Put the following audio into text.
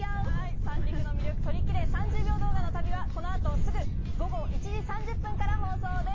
『三陸の魅力をトリキレ３０秒動画の旅！！』はこのあと午後１時３０分から放送です。